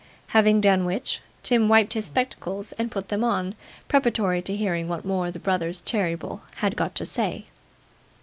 Having done which, Tim wiped his spectacles and put them on, preparatory to hearing what more the brothers Cheeryble had got to say.